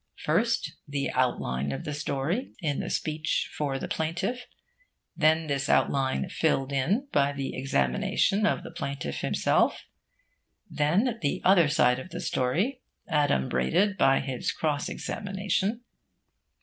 First the outline of the story, in the speech for the plaintiff; then this outline filled in by the examination of the plaintiff himself; then the other side of the story adumbrated by his cross examination.